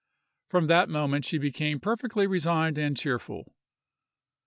From that moment she became perfectly resigned and cheerful.